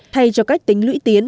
thay cho cách tính lũy tiến